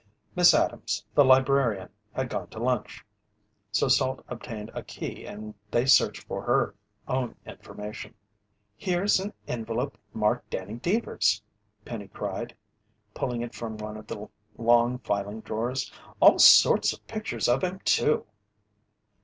Miss Adams, the librarian, had gone to lunch, so Salt obtained a key and they searched for their own information. "Here's an envelope marked Danny Deevers!" Penny cried, pulling it from one of the long filing drawers. "All sorts of pictures of him too!"